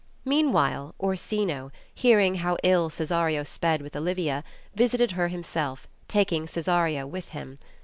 Meanwhile Orsino, hearing how ill Cesario sped with Olivia, visited her himself, taking Cesario with him.